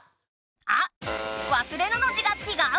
あっ「忘れる」の字がちがう！